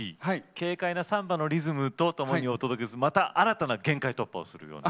軽快なサンバのリズムと共にお届けするまた新たな限界突破をするような。